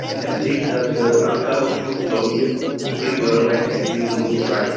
Ekzistas ankaŭ fruktoj pli grandaj kaj pli nutraj.